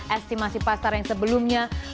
estimasi pasar yang sebelumnya